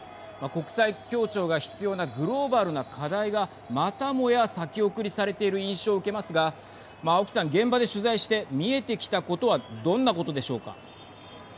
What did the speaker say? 国際協調が必要なグローバルな課題がまたもや先送りされている印象を受けますが青木さん、現場で取材して見えてきたことはどんなことでしょうか。